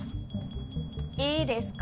いいですか？